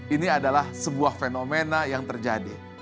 ini adalah sebuah fenomena yang terjadi